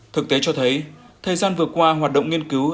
thực tế cho thấy thời gian vừa qua hoạt động nghiên cứu